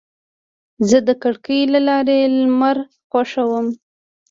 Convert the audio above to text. زه د کړکۍ له لارې لمر خوښوم.